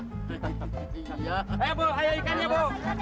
hai hal burayanya bu